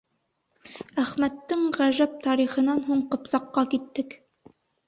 Әхмәттең ғәжәп тарихынан һуң Ҡыпсаҡҡа киттек.